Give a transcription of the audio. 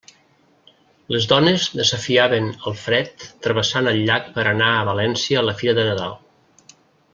Les dones desafiaven el fred travessant el llac per a anar a València a la fira de Nadal.